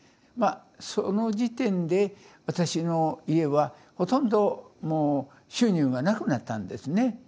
まあその時点で私の家はほとんどもう収入が無くなったんですね。